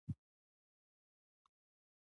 افغانستان د وګړي په اړه مشهور تاریخی روایتونه لري.